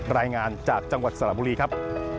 รายงานจากจังหวัดสระบุรีครับ